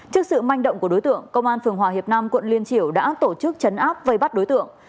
trước sự manh động của đối tượng công an phường hòa hiệp nam quận liên triểu đã tổ chức chấn áp vây bắt đối tượng